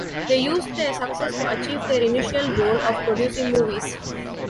They used their success to achieve their initial goal of producing movies.